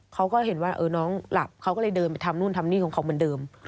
เขาก็เห็นว่าน้องหลับเขาก็เลยเดินไปทำนู่นทำนี่ของเขาเหมือนเดิม